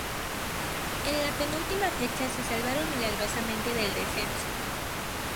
En la penúltima fecha se salvaron milagrosamente del descenso.